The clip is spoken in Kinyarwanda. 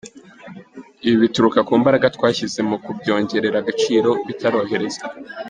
Ibi bituruka ku mbaraga twashyize mu kubyongerera agaciro bitaroherezwa.